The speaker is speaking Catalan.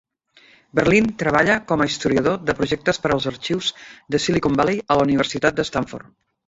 Berlin treballa com a historiador de projectes per als Arxius de Silicon Valley a la Universitat d'Stanford.